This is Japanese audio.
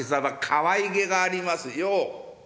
かわいげがありますよ。